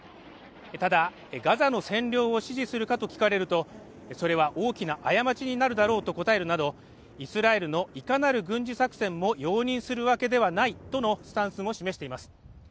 ただガザの占領を支持するかと聞かれるとそれは大きな過ちになるだろうと答えるなどイスラエルのいかなる軍事作戦も容認するわけではないとのスタンスも示しています